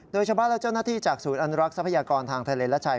โดยชาวบ้านและเจ้าหน้าที่จากศูนย์อนุรักษ์ทรัพยากรทางทะเลและชัย